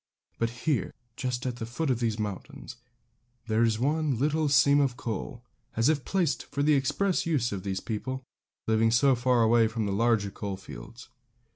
But here, just at the foot of these mountains, there is one little seam of coal, as if placed for the express use of these people, living so far away from the larger coal fields.